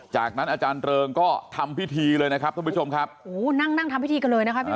จากนั้นอาจารย์เริงก็ทำพิธีเลยนะครับท่านผู้ชมครับโอ้โหนั่งนั่งทำพิธีกันเลยนะคะพี่